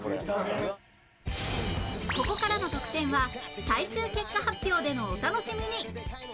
ここからの得点は最終結果発表でのお楽しみに